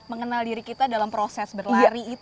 mengenal diri kita dalam proses berlari